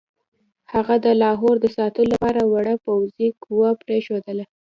هغه د لاهور د ساتلو لپاره وړه پوځي قوه پرېښودله.